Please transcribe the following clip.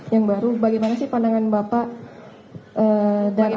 yang baru bagaimana sih pandangan bapak dari